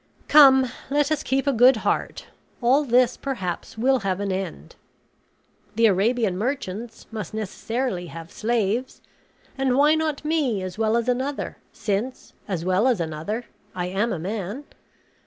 Come, let us keep a good heart; all this perhaps will have an end. The Arabian merchants must necessarily have slaves; and why not me as well as another, since, as well as another, I am a man?